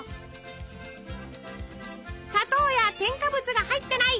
砂糖や添加物が入ってない